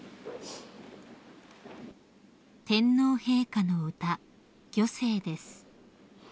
［天皇陛下の歌御製です］